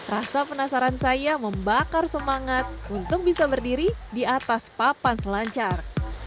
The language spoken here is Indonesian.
rasa penasaran saya membakar semangat untuk bisa berdiri di atas papan selancar